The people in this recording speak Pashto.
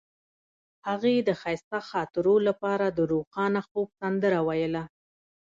هغې د ښایسته خاطرو لپاره د روښانه خوب سندره ویله.